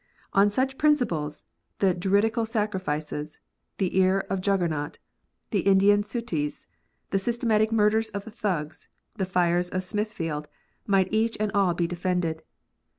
On such prin ciples, the Druidical sacrifices, the car of Juggernaut, the Indian suttees, the systematic murders of the Thugs, the fires of Smith field, might each and all be defended.